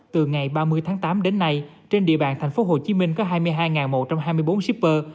từ ngày ba mươi tháng tám đến nay trên địa bàn thành phố hồ chí minh có hai mươi hai một trăm hai mươi bốn shipper